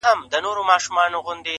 درد وچاته نه ورکوي،